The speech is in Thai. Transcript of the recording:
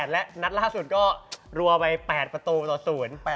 และนัดล่าสุดก็รัวไป๘ประตูต่อ๐